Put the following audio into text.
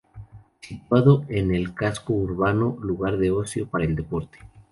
Situado en el casco urbano, lugar de ocio para el deporte.